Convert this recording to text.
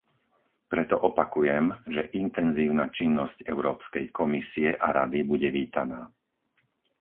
Preto opakujem, že intenzívna činnosť Európskej komisie a Rady bude vítaná.